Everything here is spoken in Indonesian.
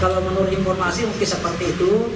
kalau menurut informasi mungkin seperti itu